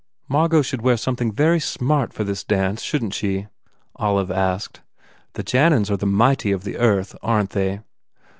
"Margot should wear something very smart for this dance, shouldn t she?" Olive asked. "The Jannans are the mighty of earth, aren t they?"